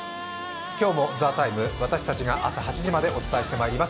今日も「ＴＨＥＴＩＭＥ，」私たちが朝８時までお伝えしてまいります。